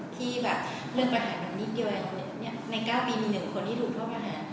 ที่เรื่องปัญหาแบบนี้เดียวใน๙ปีมี๑คนที่ถูกต้องหา